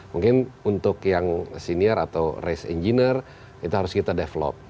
mungkin untuk yang senior atau race engineer itu harus kita develop